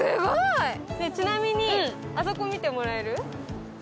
ちなみに、あそこ見てもらえる？